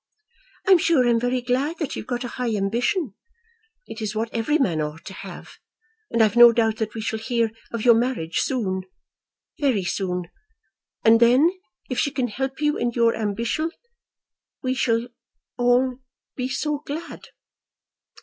"I'm sure I'm very glad that you've got a high ambition. It is what every man ought to have; and I've no doubt that we shall hear of your marriage soon, very soon. And then, if she can help you in your ambition, we shall all be so glad."